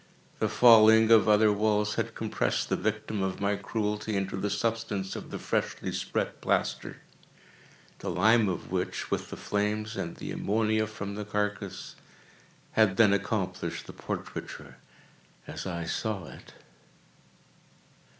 The falling of other walls had compressed the victim of my cruelty into the substance of the freshly spread plaster; the lime of which, with the flames, and the ammonia from the carcass, had then accomplished the portraiture as I saw it.